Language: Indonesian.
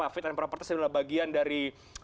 fit and properties adalah bagian dari